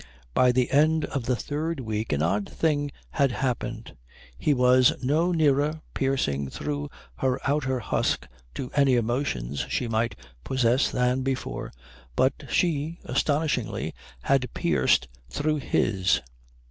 By the end of the third week an odd thing had happened. He was no nearer piercing through her outer husk to any emotions she might possess than before, but she, astonishingly, had pierced through his.